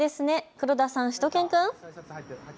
黒田さん、しゅと犬くん。